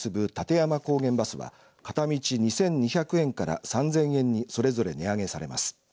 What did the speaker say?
山高原バスは片道２２００円から３０００円にそれぞれ値上げされます。